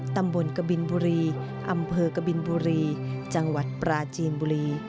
ตำบลกบินบุรีอำเภอกบินบุรีจังหวัดปราจีนบุรี